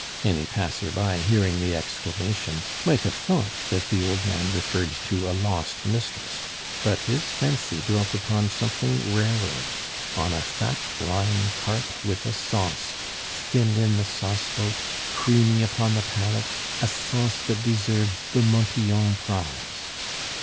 Any passer by hearing the exclamation might have thought that the old man referred to a lost mistress; but his fancy dwelt upon something rarer, on a fat Rhine carp with a sauce, thin in the sauce boat, creamy upon the palate, a sauce that deserved the Montyon prize!